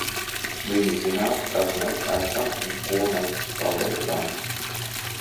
Viņi zinās, kas mēs esam un ko mēs paveicām.